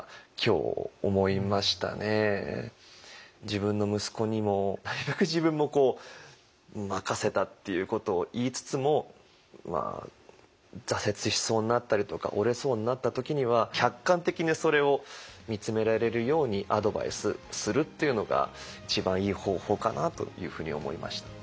自分の息子にもなるべく自分も任せたっていうことを言いつつも挫折しそうになったりとか折れそうになった時には客観的にそれを見つめられるようにアドバイスするっていうのが一番いい方法かなというふうに思いました。